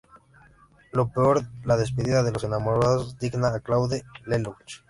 Lo peor: la despedida de los enamorados, digna de Claude Lelouch.